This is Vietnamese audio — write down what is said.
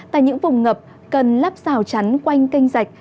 tại những vùng ngập cần lắp xào chắn quanh kênh dạch